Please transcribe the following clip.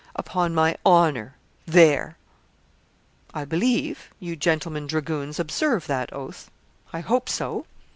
'Upon my honour there.' 'I believe, you gentlemen dragoons observe that oath I hope so.